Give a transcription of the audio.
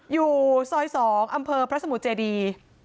อยู่ซอย๒อำเภอพระสมุทรเจดี